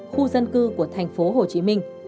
khu dân cư của thành phố hồ chí minh